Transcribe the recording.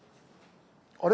あれ？